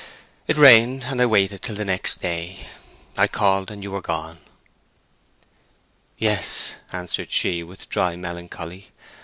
It rained, and I waited till next day. I called, and you were gone." "Yes," answered she, with dry melancholy.